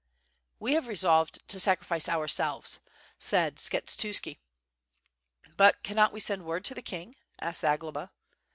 "We have resolved to sacrifice ourselves," said Skshetuski. "But cannot we send word to the king?" asked Zagloba.